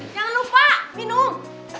jangan lupa minum